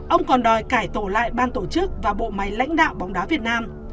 ông còn đòi cải tổ lại ban tổ chức và bộ máy lãnh đạo bóng đá việt nam